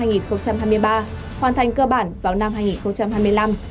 hoàn thành cơ bản vào năm hai nghìn hai mươi năm